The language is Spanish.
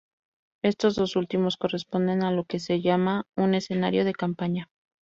Estos dos últimos corresponden a lo que se llama un escenario de campaña.